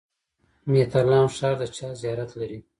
مهترلام ښار د چا زیارت لري؟